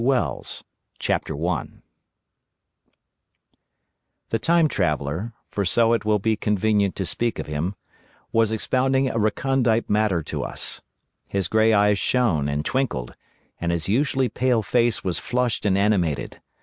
Introduction The Time Traveller (for so it will be convenient to speak of him) was expounding a recondite matter to us. His pale grey eyes shone and twinkled, and his usually pale face was flushed and animated.